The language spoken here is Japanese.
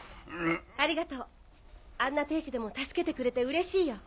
ありがとうあんな亭主でも助けてくれてうれしいよ。